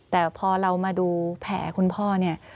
แต่พอเรามาดูแผลคุณพ่อเนี่ย